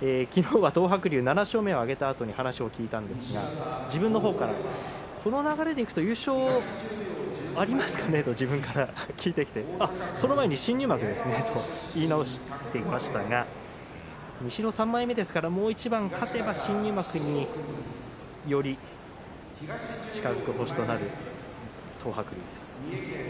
昨日は東白龍７勝目を挙げたあとに話を聞いたんですが自分の方からこの流れでいくと優勝ありますかね、と自分から聞いてきてその前に新入幕ですねと言い直していましたが西の３枚目ですからもう一番勝てば新入幕により近づく星となる東白龍です。